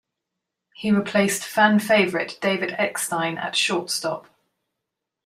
He replaced fan favorite David Eckstein at shortstop.